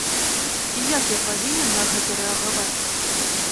І як я павінен на гэта рэагаваць?